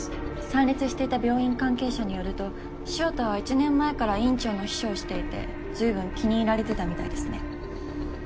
参列していた病院関係者によると潮田は１年前から院長の秘書をしていて随分気に入られてたみたいですね。